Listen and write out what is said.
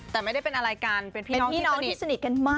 แต่ไม่ได้เป็นอะไรกันเป็นพี่น้องที่สนิทกันมาก